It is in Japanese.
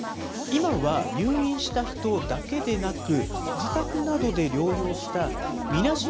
今は入院した人だけでなく、自宅などで療養したみなし